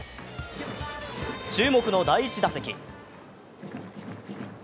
注目の第１打席。